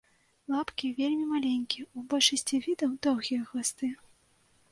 Лапкі вельмі маленькія, у большасці відаў доўгія хвасты.